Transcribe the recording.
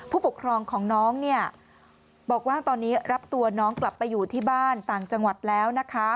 ผู้ปกครองของน้องเนี่ยบอกว่าตอนนี้รับตัวน้องกลับไปอยู่ที่บ้านต่างจังหวัดแล้วนะคะ